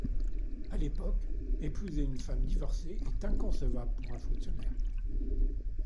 À l'époque, épouser une femme divorcée est inconcevable pour un fonctionnaire.